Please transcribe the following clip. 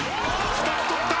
２つ取った。